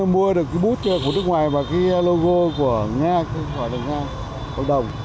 mua được cái bút của nước ngoài và cái logo của nga gọi là nga bộ đồng